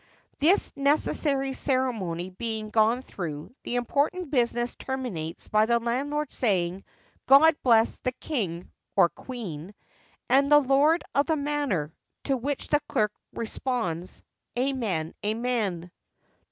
This necessary ceremony being gone through, the important business terminates by the LANDLORD saying, 'God bless the King [or Queen] and the lord of the manor;' to which the CLERK responds, 'Amen, amen!' _N.